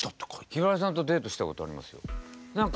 ひばりさんとデートしたことありますよ。